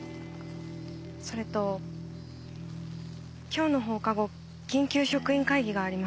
それと今日の放課後緊急職員会議があります。